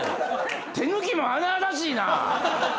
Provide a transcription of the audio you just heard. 手抜きも甚だしいな。